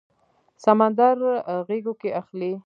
سمندر غیږو کې اخلي